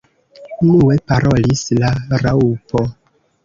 Unue parolis la Raŭpo.